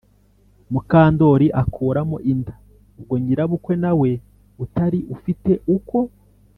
mukandori akuramo inda. ubwo nyirabukwe na we utari ufite uko